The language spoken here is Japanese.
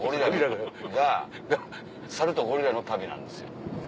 猿とゴリラの旅なんですよ。